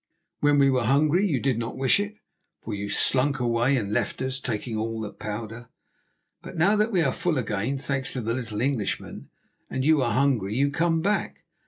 "When we were hungry you did not wish it, for you slunk away and left us, taking all the powder. But now that we are full again, thanks to the little Englishman, and you are hungry, you come back.